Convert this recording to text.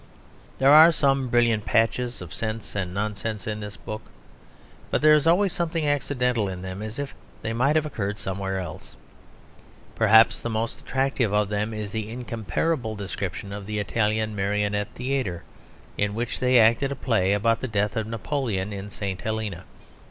There are some brilliant patches of sense and nonsense in this book; but there is always something accidental in them; as if they might have occurred somewhere else. Perhaps the most attractive of them is the incomparable description of the Italian Marionette Theatre in which they acted a play about the death of Napoleon in St. Helena.